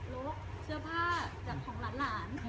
ลกเสื้อผ้าจากของหลาน